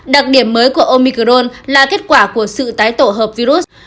đặc điểm mới của omicrone là kết quả của sự tái tổ hợp virus